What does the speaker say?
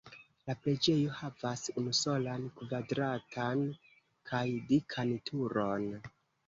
La preĝejo havas unusolan kvadratan kaj dikan turon.